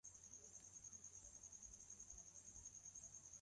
ben vika watacheza na paris and german